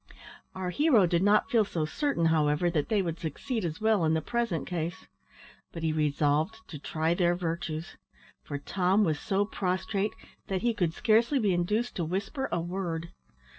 Our hero did not feel so certain, however, that they would succeed as well in the present case; but he resolved to try their virtues, for Tom was so prostrate that he could scarcely be induced to whisper a word.